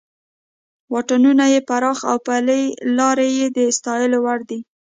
واټونه یې پراخه او پلې لارې یې د ستایلو وړ وې.